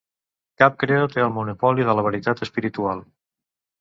Cap credo té el monopoli de la veritat espiritual.